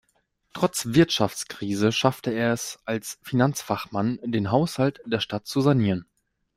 Trotz Wirtschaftskrise schaffte er es als Finanzfachmann, den Haushalt der Stadt zu sanieren.